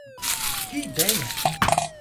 Que ideia!